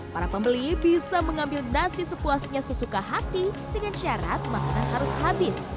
para pembeli bisa mengambil nasi sepuasnya sesuka hati dengan syarat makanan harus habis